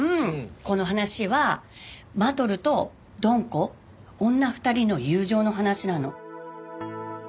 この話はマトルとドン子女２人の友情の話なの。